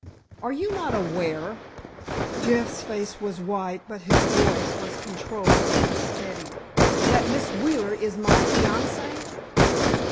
"Are you not aware," Jeff's face was white but his voice was controlled and steady, "that Miss Wheeler is my fiancée?"